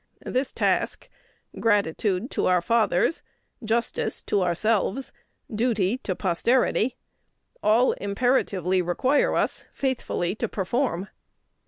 This task, gratitude to our fathers, justice to ourselves, duty to posterity, all imperatively require us faithfully to perform.